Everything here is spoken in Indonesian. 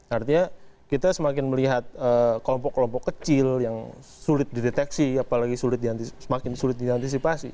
artinya kita semakin melihat kelompok kelompok kecil yang sulit dideteksi apalagi semakin sulit diantisipasi